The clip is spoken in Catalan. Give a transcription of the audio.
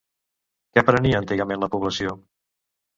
Què prenia antigament la població?